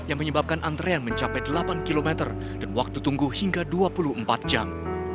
yang menyebabkan antrean mencapai delapan km dan waktu tunggu hingga dua puluh empat jam